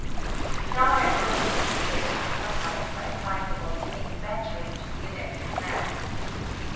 I^ow I am going to imitate the sunlight by ap jplying the voltaic battery to the electric lamp.